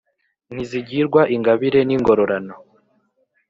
ntizigirwa ingabire n’ingororano